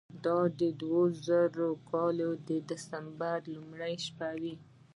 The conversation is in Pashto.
دا د دوه زره کال د دسمبر لومړۍ شپې وې.